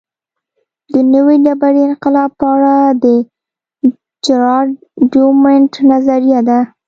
د نوې ډبرې انقلاب په اړه د جراډ ډیامونډ نظریه ده